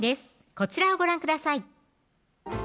こちらをご覧ください